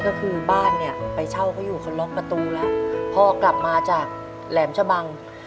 ก็คือบ้านเนี่ยไปเช่าเขาอยู่เขาล็อกประตูแล้วพ่อกลับมาจากแหลมชะบัง